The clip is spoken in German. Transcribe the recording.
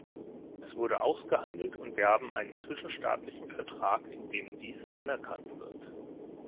Es wurde ausgehandelt und wir haben einen zwischenstaatlichen Vertrag, in dem dies anerkannt wird.